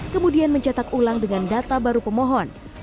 kemudian mencetak ulang dengan data baru pemohon